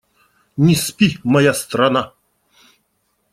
Не спи, моя страна!